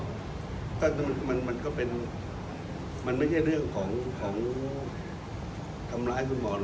ก็มันก็เป็นมันไม่ใช่เรื่องของทำร้ายฟุตบอล